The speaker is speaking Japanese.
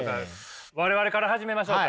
我々から始めましょうか。